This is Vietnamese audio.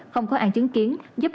không có an chứng kiến